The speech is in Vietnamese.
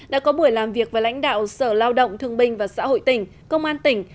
đã có buổi làm việc với lãnh đạo sở lao động thương binh và xã hội tỉnh công an tỉnh